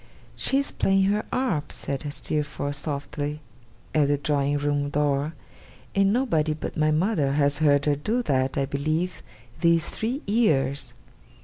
'She is playing her harp,' said Steerforth, softly, at the drawing room door, 'and nobody but my mother has heard her do that, I believe, these three years.